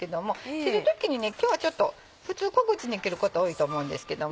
切る時にね今日はちょっと普通小口に切ること多いと思うんですけども。